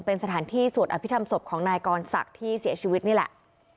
เป็นสถานที่สวดอภิษฐรรมศพของนายกรศักดิ์ที่เสียชีวิตนี่แหละ